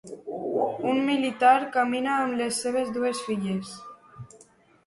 Un militar camina amb les seves dues filles.